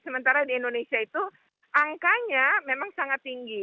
sementara di indonesia itu angkanya memang sangat tinggi